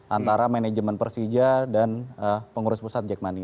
antara manajemen persija dan pengurus pusat jackmani